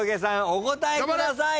お答えください！